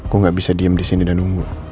gua gak bisa diem disini dan nunggu